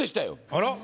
あら。